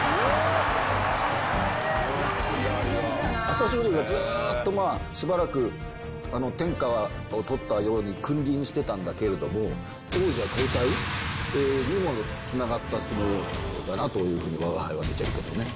朝青龍が、ずっとしばらく、天下を取ったように君臨してたんだけれども、王者交代にもつながった相撲だなというふうに、わが輩は見てるけどね。